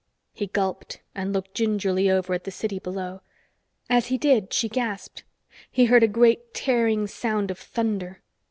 He gulped and looked gingerly over at the city below. As he did, she gasped. He heard a great tearing sound of thunder.